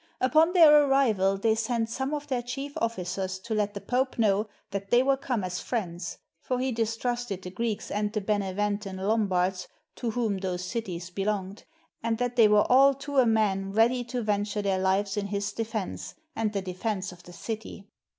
Upon their arrival, they sent some of their chief officers to let the Pope know that they were come as friends (for he distrusted the Greeks and the Beneventan Lombards, to whom those cities belonged) and that they were all to a man ready to venture their lives in his defense, and the defense of the city.